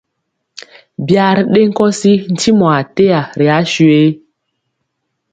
Byaa ri ɗe nkɔsi ntimɔ ateya ri asuye?